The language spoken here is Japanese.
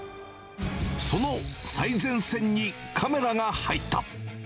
その最前線にカメラが入った。